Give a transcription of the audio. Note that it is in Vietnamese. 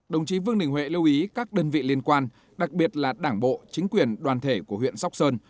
đồng chí vương đình huệ lưu ý các đơn vị liên quan đặc biệt là đảng bộ chính quyền đoàn thể của huyện sóc sơn